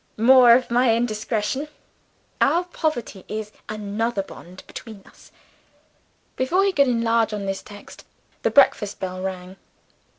(More of my indiscretion!) Our poverty is another bond between us." Before he could enlarge on this text, the breakfast bell rang.